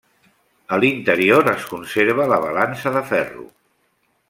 A l'interior es conserva la balança de ferro.